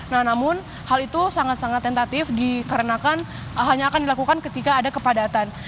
nah namun hal itu sangat sangat tentatif dikarenakan hanya akan dilakukan ketika ada kepadatan